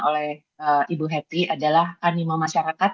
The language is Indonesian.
oleh ibu hetty adalah anima masyarakat